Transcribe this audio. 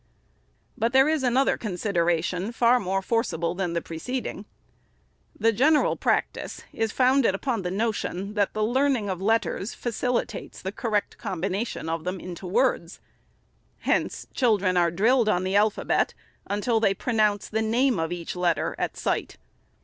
But there is another consideration far more forcible than the preceding. The general practice is founded upon the notion that the learning of letters facilitates the cor rect combination of them into words. Hence children are drilled on the alphabet, until they pronounce the name of each letter at sight.